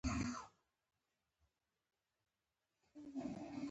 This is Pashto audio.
د چا په افرین او نفرين باندې نه دی اړ.